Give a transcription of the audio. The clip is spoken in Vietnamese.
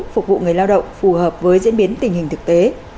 phục vụ người lao động phù hợp với diễn biến tình hình thực tế